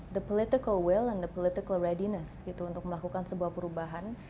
the political will and the political readiness gitu untuk melakukan sebuah perubahan